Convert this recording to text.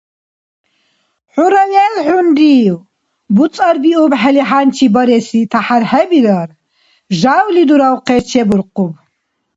ХӀура велхӀунрив? БуцӀарбиубхӀели хӀянчи бареси тяхӀяр хӀебирар, жявли дуравхъес чебуркъуб.